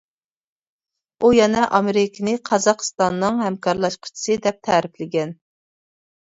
ئۇ يەنە ئامېرىكىنى قازاقىستاننىڭ ھەمكارلاشقۇچىسى دەپ تەرىپلىگەن.